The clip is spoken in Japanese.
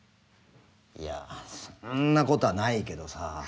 いやそんなことはないけどさ。